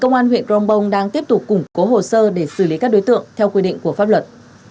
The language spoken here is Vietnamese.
công an huyện crongbong đang tiếp tục củng cố hồ sơ để xử lý các đối tượng theo quy định của pháp luật